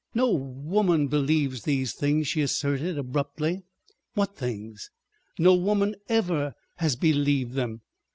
..." "No woman believes these things," she asserted abruptly. "What things?" "No woman ever has believed them."